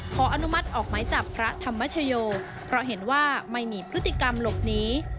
ขออนุมัติออกไม้จับพระธรรมชโยเพราะเห็นว่าไม่มีพฤติกรรมหลบหนี